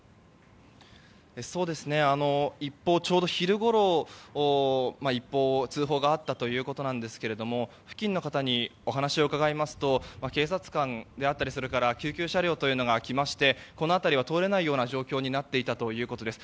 一報、ちょうど昼ごろ通報があったということなんですが付近の方にお話を伺いますと警察官だったり救急車両が来ましてこの辺りは通れないような状況になっていたということです。